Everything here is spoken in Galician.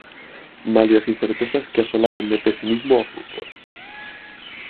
Malia as incertezas que asolagan de pesimismo ao fútbol.